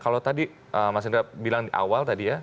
kalau tadi mas indra bilang di awal tadi ya